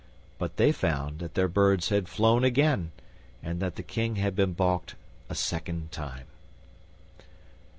But they found that their birds had flown again, and that the King had been balked a second time.